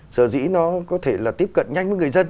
sở dĩ nó có thể là tiếp cận nhanh với người dân